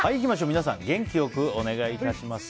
皆さん、元気良くお願い致します。